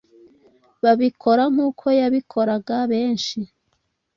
babikora nkuko yabikoraga benshi